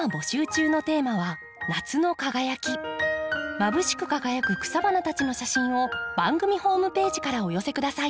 まぶしく輝く草花たちの写真を番組ホームページからお寄せ下さい。